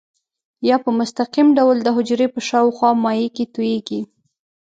یا په مستقیم ډول د حجرې په شاوخوا مایع کې تویېږي.